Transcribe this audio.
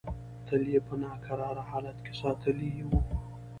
تل یې په ناکراره حالت کې ساتلې وه.